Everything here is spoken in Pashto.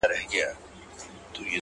• نن دي دواړي سترگي سرې په خاموشۍ كـي؛